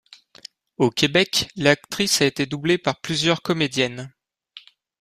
Au Québec, l'actrice a été doublé par plusieurs comédiennes.